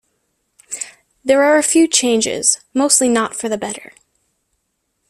There are a few changes, mostly not for the better.